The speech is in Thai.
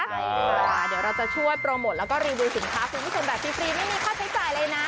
ใช่ค่ะเดี๋ยวเราจะช่วยโปรโมทแล้วก็รีวิวสินค้าคุณผู้ชมแบบฟรีไม่มีค่าใช้จ่ายเลยนะ